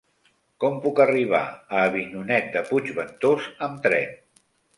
Com puc arribar a Avinyonet de Puigventós amb tren?